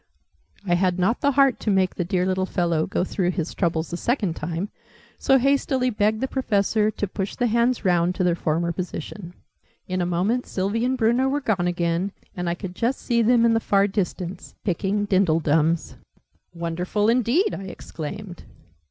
I had not the heart to make the dear little fellow go through his troubles a second time, so hastily begged the Professor to push the hands round into their former position. In a moment Sylvie and Bruno were gone again, and I could just see them in the far distance, picking 'dindledums.' "Wonderful, indeed!" I exclaimed.